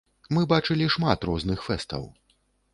Мы бачылі шмат розных фэстаў.